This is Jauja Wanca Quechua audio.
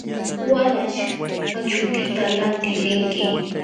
Walaśh, achuutita lantiq linki.